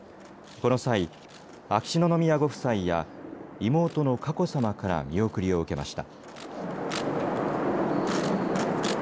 この際、秋篠宮ご夫妻や妹の佳子さまから見送りを受けました。